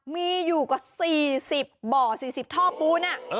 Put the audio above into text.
มีอยู่กว่า๔๐บ่อ๔๐ท่อปูน